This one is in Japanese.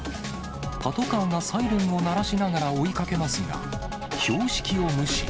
パトカーがサイレンを鳴らしながら追いかけますが、標識を無視。